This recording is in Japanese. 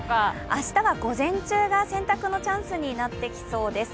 明日は午前中が洗濯のチャンスになってきそうです。